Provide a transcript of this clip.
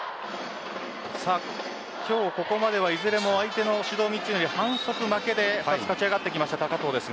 ここまではいずれも相手の指導３つにより反則負けで２つ勝ち上がってきた高藤です。